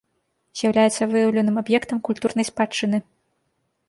З'яўляецца выяўленым аб'ектам культурнай спадчыны.